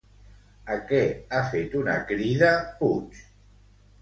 A què ha fet una crida Puig?